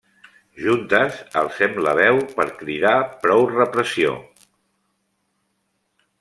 Juntes alcem la veu per cridar prou repressió.